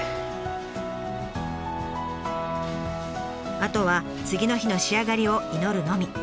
あとは次の日の仕上がりを祈るのみ。